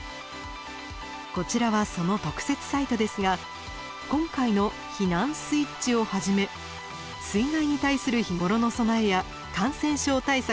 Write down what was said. こちらはその特設サイトですが今回の「避難スイッチ」をはじめ水害に対する日頃の備えや感染症対策